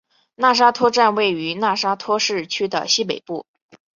讷沙托站位于讷沙托市区的西北部。